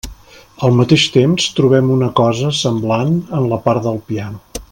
Al mateix temps, trobem una cosa semblant en la part del piano.